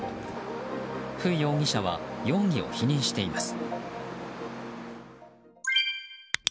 フ容疑者は容疑を否認しています。